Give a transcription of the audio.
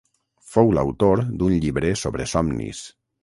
Fou l'autor d'un llibre sobre somnis.